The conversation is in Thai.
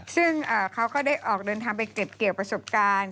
ซึ่งเขาก็ได้ออกเดินทางไปเก็บเกี่ยวประสบการณ์